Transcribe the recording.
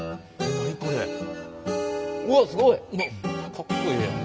かっこええやん。